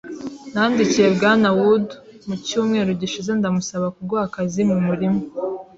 Nandikiye Bwana Wood mu cyumweru gishize ndamusaba kuguha akazi mu murima.